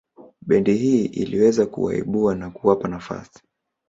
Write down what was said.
Bendi hii iliweza kuwaibua na kuwapa nafasi